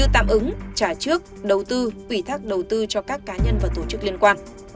trả trước đầu tư ủy thác đầu tư cho các cá nhân và tổ chức liên quan